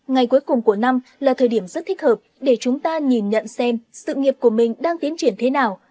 ngày cuối cùng của năm là thời điểm rất thích hợp để chúng ta nhìn nhận xem sự nghiệp của mình đang tiến triển thế nào